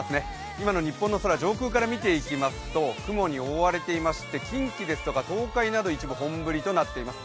今の日本の空、上空から見ていきますと雲に覆われていまして近畿ですとか東海で一部本降りとなっています。